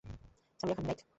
Samira Khanna, right?